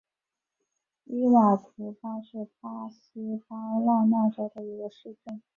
伊瓦图巴是巴西巴拉那州的一个市镇。